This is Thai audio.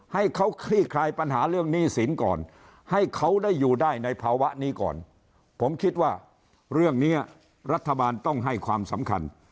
ให้เขาคลี่คลายปัญหาเรื่องหนี้สินก่อนให้เขาได้อยู่ได้ในภาวะนี้ก่อนผมคิดว่าเรื่องนี้รัฐบาลต้องให้ความสำคัญ